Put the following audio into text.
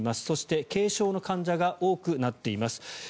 そして、軽症の患者が多くなっています。